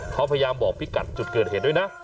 เขาพยายามบอกพี่กัดจุดเกิดเหตุด้วยนะ